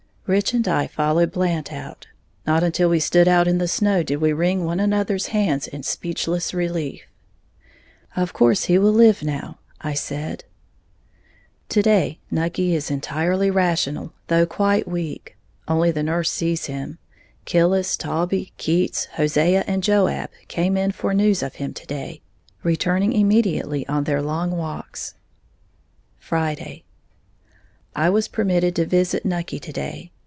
Rich and I followed Blant out. Not until we stood out in the snow did we wring one another's hands in speechless relief. "Of course he will live now," I said. To day Nucky is entirely rational, though quite weak. Only the nurse sees him. Killis, Taulbee, Keats, Hosea and Joab came in for news of him to day, returning immediately on their long walks. Friday. I was permitted to visit Nucky to day.